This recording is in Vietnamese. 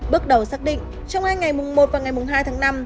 bước đầu xác định trong hai ngày mùng một và ngày mùng hai tháng năm